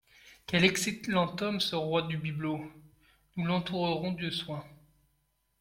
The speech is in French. Quel excellent homme, ce roi du bibelot ! Nous l'entourerons de soins.